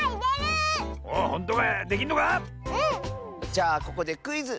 じゃあここでクイズ！